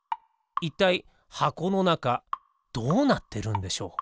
いったいはこのなかどうなってるんでしょう？